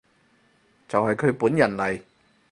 就係佢本人嚟